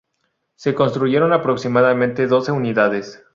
Se construyeron aproximadamente doce unidades.